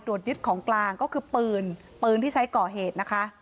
ยึดของกลางก็คือปืนปืนที่ใช้ก่อเหตุนะคะ